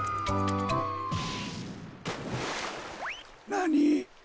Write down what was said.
なに？